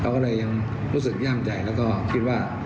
เขาก็เลยยังรู้สึกย่ามใจแล้วก็คิดว่า